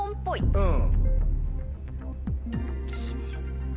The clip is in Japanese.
うん。